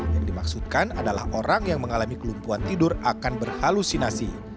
yang dimaksudkan adalah orang yang mengalami kelumpuhan tidur akan berhalusinasi